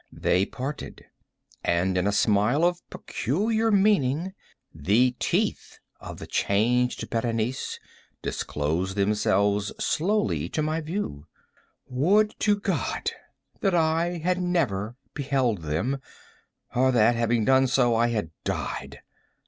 They parted; and in a smile of peculiar meaning, the teeth of the changed Berenice disclosed themselves slowly to my view. Would to God that I had never beheld them, or that, having done so, I had died!